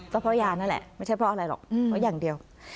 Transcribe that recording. ก็เพราะยานั่นแหละไม่ใช่เพราะอะไรหรอกเพราะอย่างเดียว